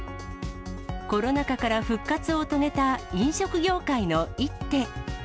コロナ禍から復活を遂げた飲食業界の一手。